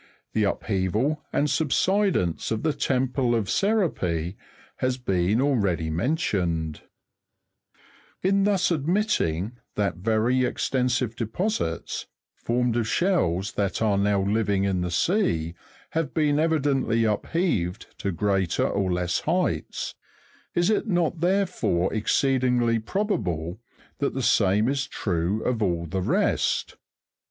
The upheaval and subsidence of the temple of Serapis has been already mentioned (page 19). In thus admitting that very extensive deposits, formed of shells that are now living in the sea, have been evidently upheaved to greater or less heights, is it not therefore exceedingly probable that the same is true of all the rest